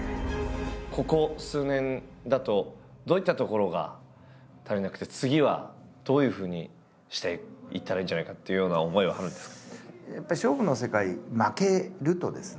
ここ数年だとどういったところが足りなくて次はどういうふうにしていったらいいんじゃないかというような思いはあるんですか？